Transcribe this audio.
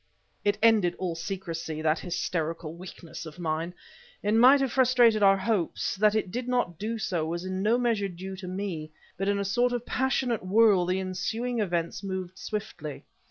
It ended all secrecy that hysterical weakness of mine. It might have frustrated our hopes; that it did not do so was in no measure due to me. But in a sort of passionate whirl, the ensuing events moved swiftly.